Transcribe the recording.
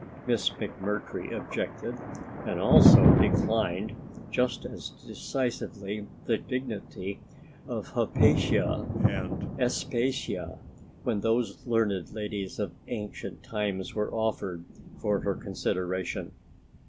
Miss McMurtry objected and also declined just as decisively the dignity of "Hypatia" and "Aspasia', when those learned ladies of ancient times were offered for her consideration.